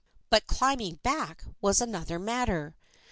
But climbing back was another matter.